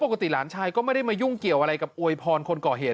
หลานชายก็ไม่ได้มายุ่งเกี่ยวอะไรกับอวยพรคนก่อเหตุ